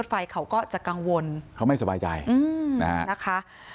ไฟเขาก็จะกังวลเขาไม่สบายใจอืมนะฮะ